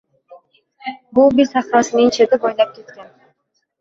Gobi sahrosining cheti boʻylab ketgan.